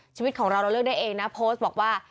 ชีวิตของเราเราเลือกได้เองนะโพสต์บอกว่า